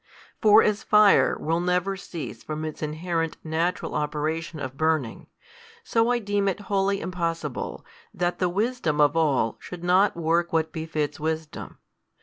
For as fire will never cease from its inherent natural operation of burning; so I deem it wholly impossible, that |203 the Wisdom of all should not work what befits wisdom.